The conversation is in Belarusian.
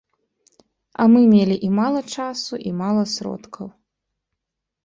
А мы мелі і мала часу, і мала сродкаў.